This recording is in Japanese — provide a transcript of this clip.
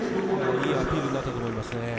いいアピールになったと思います。